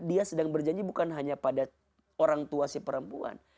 dia sedang berjanji bukan hanya pada orang tua si perempuan